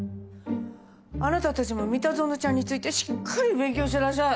あなたたちも三田園ちゃんについてしっかり勉強してらっしゃい。